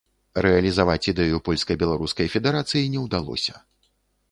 Рэалізаваць ідэю польска-беларускай федэрацыі не ўдалося.